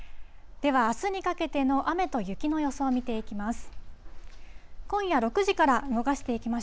ではあすにかけての雨と雪の予想を見ていきます。